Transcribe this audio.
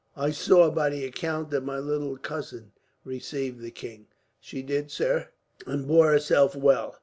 "I saw, by the account, that my little cousin received the king." "She did, sir, and bore herself well.